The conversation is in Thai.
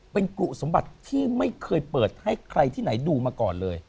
เป็นกรุสมบัติที่ไม่เคยเปิดให้ใครที่ไหนดูมาก่อนเลย